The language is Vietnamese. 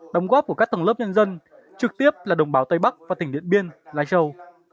đồng góp của các tầng lớp nhân dân trực tiếp là đồng bào tây bắc và tỉnh điện biên lai châu